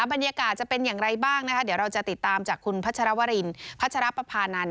บรรยากาศจะเป็นอย่างไรบ้างนะคะเดี๋ยวเราจะติดตามจากคุณพัชรวรินพัชรปภานันท